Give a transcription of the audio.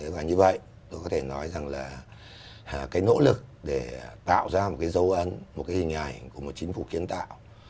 và như vậy tôi có thể nói rằng là cái nỗ lực để tạo ra một cái dấu ấn một cái hình ảnh của một chính phủ kiến tạo